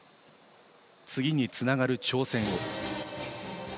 次につながる挑戦。